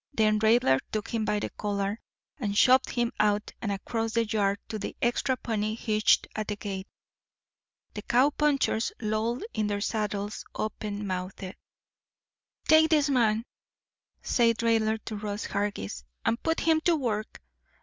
Then Raidler took him by the collar and shoved him out and across the yard to the extra pony hitched at the gate. The cow punchers lolled in their saddles, open mouthed. "Take this man," said Raidler to Ross Hargis, "and put him to work.